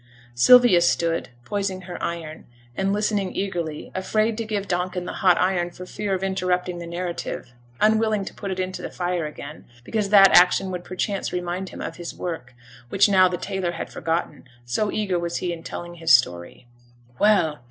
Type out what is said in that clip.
Sylvia stood, poising her iron, and listening eagerly, afraid to give Donkin the hot iron for fear of interrupting the narrative, unwilling to put it into the fire again, because that action would perchance remind him of his work, which now the tailor had forgotten, so eager was he in telling his story. 'Well!